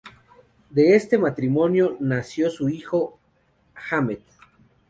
De este matrimonio nació su hijo Ahmet.